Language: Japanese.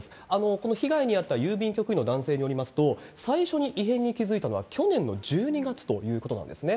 この被害に遭った郵便局員の男性によりますと、最初に異変に気付いたのは去年の１２月ということなんですね。